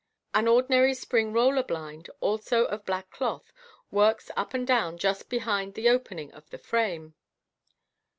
An ordinary spring roller blind, also of black cloth, works up and down just behind the opening of the frame.